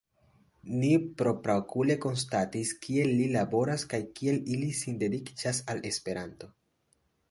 Ni propraokule konstatis kiel ili laboras kaj kiel ili sindediĉas al Esperanto.